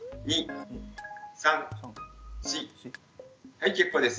はい結構です。